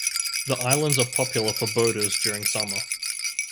The islands are popular for boaters during summer.